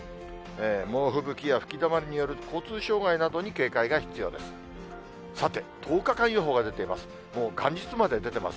猛吹雪や吹きだまりによる交通障害などに警戒が必要です。